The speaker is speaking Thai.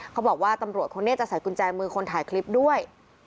เขาบอกว่าตำรวจคนนี้จะใส่กุญแจมือคนถ่ายคลิปด้วย